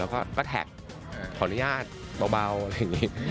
เราก็แท็คขออนุญาตเบาอย่างนี้